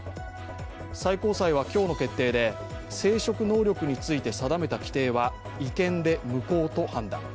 最高裁は今日の決定で、生殖能力について定めた規定は違憲で無効と判断。